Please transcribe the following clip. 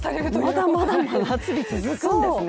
まだまだ真夏日続くんですね。